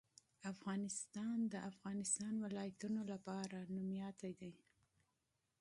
افغانستان د د افغانستان ولايتونه لپاره مشهور دی.